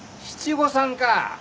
七五三か。